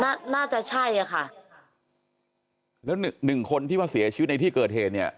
น่าจะใช่อะค่ะแล้วหนึ่งหนึ่งคนที่ว่าเสียชีวิตในที่เกิดเหตุเนี่ย